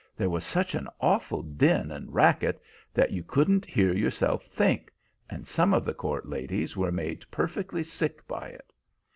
There was such an awful din and racket that you couldn't hear yourself think, and some of the court ladies were made perfectly sick by it.